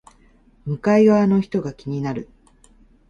向かい側の人が気になる